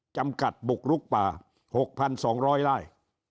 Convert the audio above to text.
จำกัดบุกลุกป่า๖๒๐๐ไร่